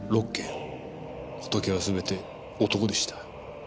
ホトケは全て男でした。